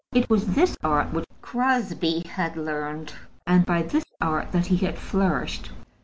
It was this art which Crosbie had learned, and by this art that he had flourished.